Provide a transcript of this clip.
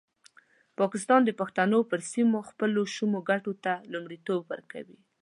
پاکستان د پښتنو پر سیمه خپلو شومو ګټو ته لومړیتوب ورکوي.